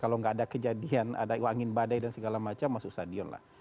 kalau nggak ada kejadian ada angin badai dan segala macam masuk stadion lah